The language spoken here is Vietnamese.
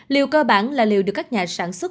liệu cơ bản là liệu được các nhà sản xuất